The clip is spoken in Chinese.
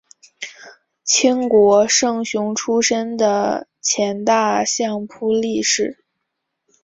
清国胜雄出身的前大相扑力士。